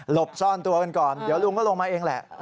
บซ่อนตัวกันก่อนเดี๋ยวลุงก็ลงมาเองแหละ